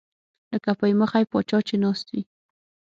لکه پۍ مخی پاچا چې ناست وي